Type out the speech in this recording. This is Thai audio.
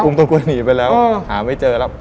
คุณต้นกล้วยหนีไปแล้วหาไม่เจอแล้ว